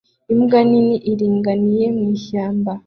Imbwa nini iringaniye mu ishyamba